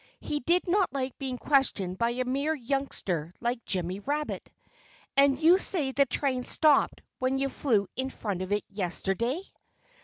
He did not like being questioned by a mere youngster like Jimmy Rabbit. "And you say the train stopped when you flew in front of it yesterday?"